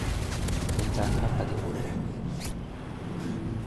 เบญจางคประดิษฐ์